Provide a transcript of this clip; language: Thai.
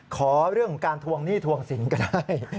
ขอเรื่องของการทวงหนี้ทวงสินก็ได้